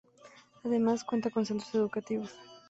Además, cuenta con centros educativos.